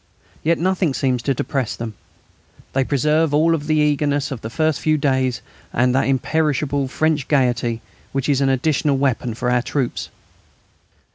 Yet nothing seems to depress them. They preserve all the eagerness of the first few days and that imperishable French gaiety which is an additional weapon for our troops.